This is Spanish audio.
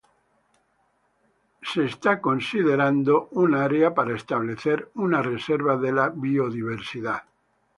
Un área de está siendo considerada para establecer una reserva de biodiversidad.